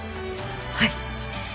はい。